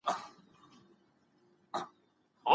د کرکي، يا شخړي لاملونه بايد ايجاد نسي.